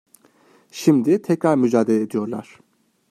Şimdi tekrar mücadele ediyorlar.